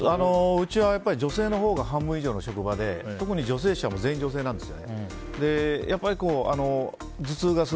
うちは女性のほうが半分以上の職場で特に女性誌は全員女性なんです。